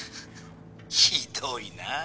ひどいな。